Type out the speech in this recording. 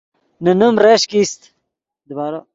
نے نیم رشک ایست